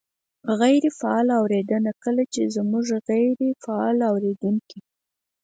-غیرې فعاله اورېدنه : کله چې مونږ غیرې فعال اورېدونکي